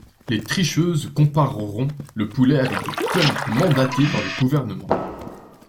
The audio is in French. Les tricheuses compareront le poulet avec des punks mandatés par le gouvernement.